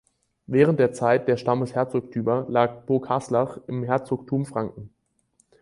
Während der Zeit der Stammesherzogtümer lag Burghaslach im Herzogtum Franken.